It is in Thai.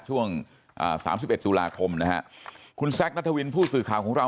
ช่วง๓๑ตุลาคมนะครับคุณแซคนัทวินผู้สื่อข่าวของเรา